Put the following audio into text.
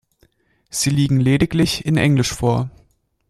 Sie liegen lediglich in Englisch vor.